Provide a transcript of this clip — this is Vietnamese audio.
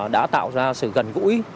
đã tạo ra sự gần gũi